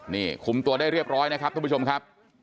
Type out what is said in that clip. นี่คุมตัวได้เรียบร้อยนะครับท่านผู้ชมครับ